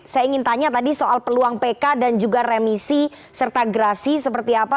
saya ingin tanya tadi soal peluang pk dan juga remisi serta gerasi seperti apa